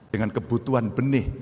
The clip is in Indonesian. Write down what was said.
dengan kebutuhan benih